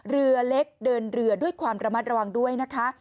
เรือเล็กเดินเรือด้วยความระมัดระวังด้วยนะคะ